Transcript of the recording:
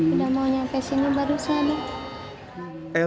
udah mau nyampe sini baru sadar